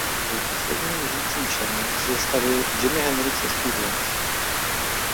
Byl posledním žijícím členem ze sestavy "Jimi Hendrix Experience".